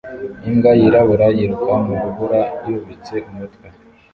Imbwa yirabura yiruka mu rubura yubitse umutwe